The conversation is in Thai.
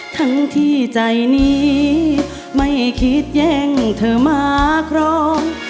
ทั้งที่ใจนี้ไม่คิดแย่งเธอมาครอง